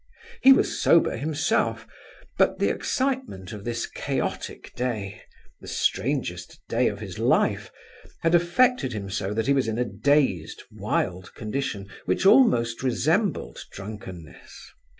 He was sober himself, but the excitement of this chaotic day—the strangest day of his life—had affected him so that he was in a dazed, wild condition, which almost resembled drunkenness.